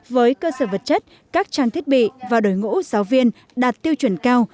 với cơ sở vật chất các trang thiết bị và đổi ngũ giáo viên đạt tiêu chuẩn cao